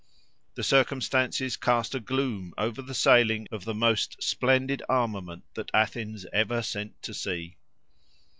The circumstance cast a gloom over the sailing of the most splendid armament that Athens ever sent to sea.